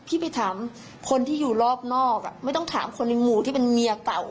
พี่ไปถามคนที่อยู่รอบนอกไม่ต้องถามคนในหมู่ที่เป็นเมียเก่า